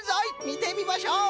みてみましょう！